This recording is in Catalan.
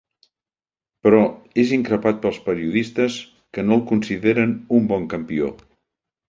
Però, és increpat pels periodistes, que no el consideren un bon campió.